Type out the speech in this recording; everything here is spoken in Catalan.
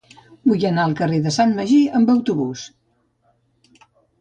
Vull anar al carrer de Sant Magí amb autobús.